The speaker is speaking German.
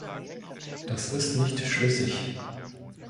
Das ist nicht schlüssig.